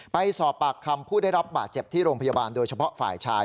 ไปสอบปากคำผู้ได้รับบาดเจ็บที่โรงพยาบาลโดยเฉพาะฝ่ายชาย